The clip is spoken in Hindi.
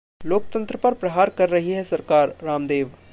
लोकतंत्र पर प्रहार कर रही है सरकार: रामदेव